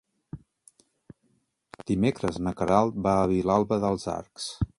Dimecres na Queralt va a Vilalba dels Arcs.